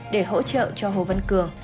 để hỗ trợ cho hồ văn cường